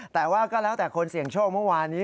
แต่ว่าก็แล้วแต่คนเสี่ยงโชคเมื่อวานี้